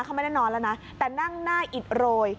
เขาไม่ได้นอนแล้วนะแต่นั่งหน้าอิดโรย